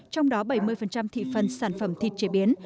trong đó bảy mươi thị phần sản phẩm thịt chế biến